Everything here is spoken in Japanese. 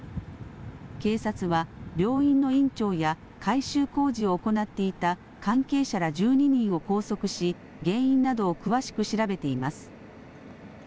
警察は病院の院長や改修工事を行っていた関係者ら１２人を拘束し、原因などを詳しく調べています。